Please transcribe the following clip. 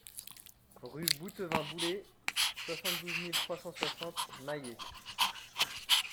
Rue Bouttevin Boullay, soixante-douze mille trois cent soixante Mayet